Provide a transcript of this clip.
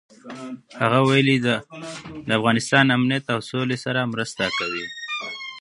هغه ویلي، د افغانستان امنیت او سولې سره مرسته کېږي.